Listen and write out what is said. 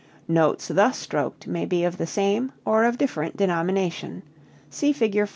Notes thus stroked may be of the same or of different denomination. See Fig.